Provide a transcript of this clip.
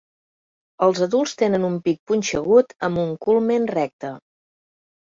Els adults tenen un pic punxegut amb un culmen recte.